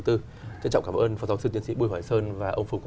trân trọng cảm ơn phó giáo sư tiến sĩ bùi hoài sơn